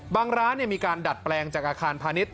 ร้านมีการดัดแปลงจากอาคารพาณิชย